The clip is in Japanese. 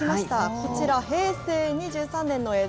こちら平成２３年の映像。